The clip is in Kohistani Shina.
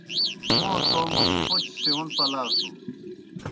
موں تومہ پوْچہ سِیون پلاسُن۔